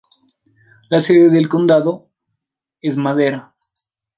La sede del condado es Madera.